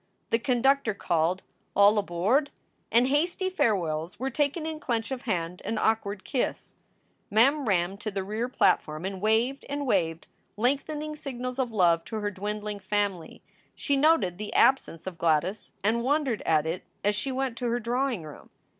The conductor called, "All aboard!" and hasty farewells were taken in clench of hand and awkward kiss. Mem ran to the rear platform and waved and waved lengthening signals of love to her dwindling family. She noted the absence of Gladys and wondered at it as she went to her drawing room.